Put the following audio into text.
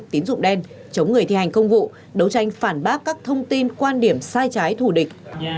tín dụng đen chống người thi hành công vụ đấu tranh phản bác các thông tin quan điểm sai trái thù địch